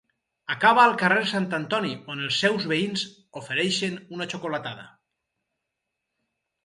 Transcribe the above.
Acaba al carrer Sant Antoni, on els seus veïns ofereixen una xocolatada.